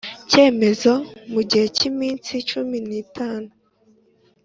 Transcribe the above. cyemezo mu gihe cy iminsi cumi n itanu